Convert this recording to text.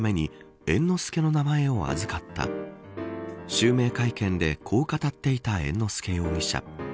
襲名会見でこう語っていた猿之助容疑者。